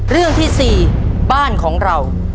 เรื่องที่๔บ้านของเรา